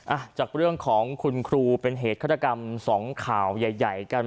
อ่ะจากเรื่องของคุณครูเป็นเหตุฆาตกรรมสองข่าวใหญ่ใหญ่กัน